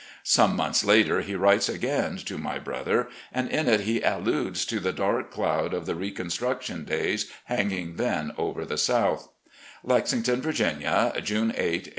Some months later he writes again to my brother, and in it he alludes to the dark cloud of the "reconstruction" days, h anging then over the South: "Lexington, Virginia, Jime 8, 1867.